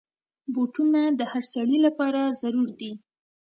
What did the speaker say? بوټونه د هر سړي لپاره ضرور دي.